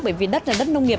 bởi vì đất là đất nông nghiệp